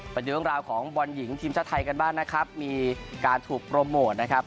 ไปดูเรื่องราวของบอลหญิงทีมชาติไทยกันบ้างนะครับมีการถูกโปรโมทนะครับ